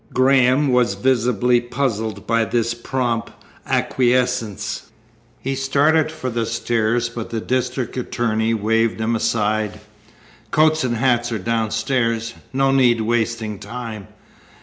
Graham was visibly puzzled by this prompt acquiescence. He started for the stairs, but the district attorney waved him aside. "Coats and hats are downstairs. No need wasting time."